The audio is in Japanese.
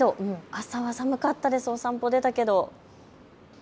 朝は寒かったです、お散歩に出たけど。